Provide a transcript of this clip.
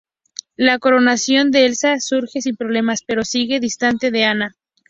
La coronación de Elsa surge sin problemas, pero sigue distante de Anna.